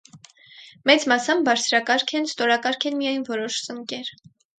Մեծ մասամբ բարձրակարգ են, ստորակարգ են միայն որոշ սնկեր։